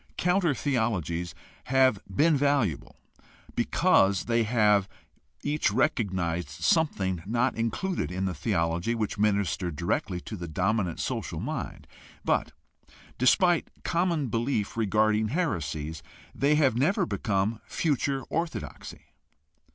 Counter theologies have been valuable because they each have recognized something not included in the theology which ministered directly to the dominant social mind; but, despite common belief regarding heresies, they have never become some future orthodoxy.